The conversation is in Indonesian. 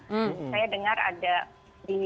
saya dengar ada di kota lain di marrakesh itu bukan